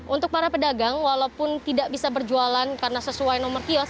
untuk para pedagang walaupun tidak bisa berjualan karena sesuai nomor kios